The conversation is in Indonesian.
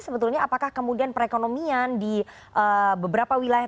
sebetulnya apakah kemudian perekonomian di beberapa wilayah